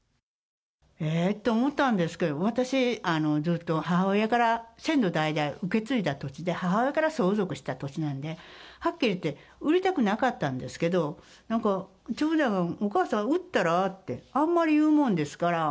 ええって思ったんですけど、私、ずっと母親から先祖代々、受け継いだ土地で、母親から相続した土地なんで、はっきり言って売りたくなかったんですけど、なんか、長男が、お母さん、売ったらって、あんまり言うもんですから。